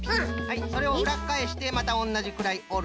それをうらっかえしてまたおんなじくらいおる。